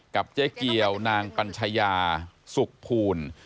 กับเจ๊เกียวนางกัญชยาสุขภูนิ